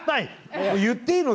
言っていいの？